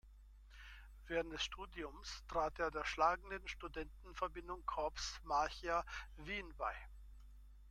Während des Studiums trat er der schlagenden Studentenverbindung Corps Marchia Wien bei.